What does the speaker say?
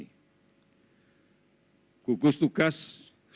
della pesawat gugus tugas yang sekarang lebih tua karena menggunakan meland commercially